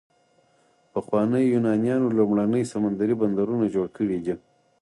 پخوانیو یونانیانو لومړني سمندري بندرونه جوړ کړي دي.